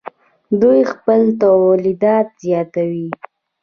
دوی خپل تولیدات زیاتوي.